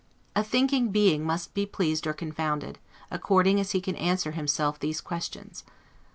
A thinking being must be pleased or confounded, according as he can answer himself these questions.